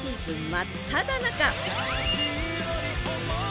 真っただ中